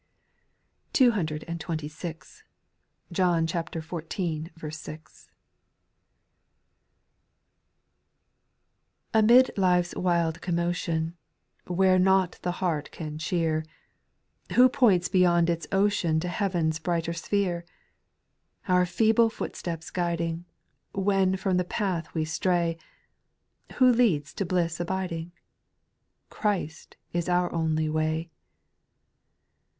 */;/ 226. John xiv. 6. 1. A MID life's wild commotion, JLX Where nought the heart can cheer, Who points beyond its ocean To heaven's brighter sphere ? Our feeble footsteps guiding, When from the path we stray, Who leads to bliss abiding ?— Christ is our only Way.